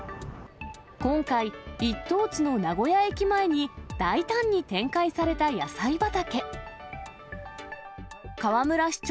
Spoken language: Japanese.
今回、一等地の名古屋駅前に大胆に展開された野菜畑。